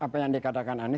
apa yang dia katakan anies